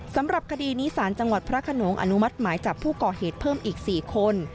สำหรับคดีนี้สารจังหวัดพระขนงอนุมัติหมายจับผู้ก่อเหตุเพิ่มอีก๔คน